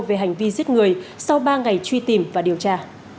về hành vi giết người sau ba ngày truy tìm và điều tra